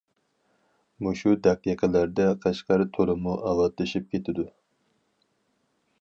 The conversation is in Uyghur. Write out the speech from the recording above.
مۇشۇ دەقىقىلەردە، قەشقەر تولىمۇ ئاۋاتلىشىپ كېتىدۇ!